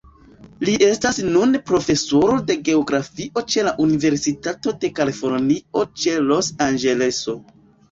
Li estas nune Profesoro de Geografio ĉe la Universitato de Kalifornio ĉe Los-Anĝeleso.